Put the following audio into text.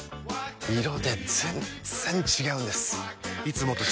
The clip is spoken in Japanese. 色で全然違うんです！